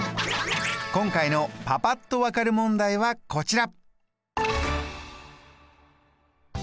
今回のパパっと分かる問題はこちら。